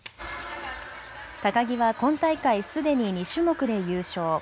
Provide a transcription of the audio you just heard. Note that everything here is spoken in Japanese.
高木は今大会すでに２種目で優勝。